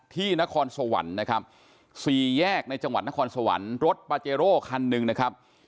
นครสวรรค์นะครับสี่แยกในจังหวัดนครสวรรค์รถปาเจโร่คันหนึ่งนะครับ